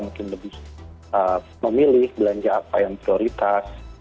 mungkin lebih memilih belanja apa yang prioritas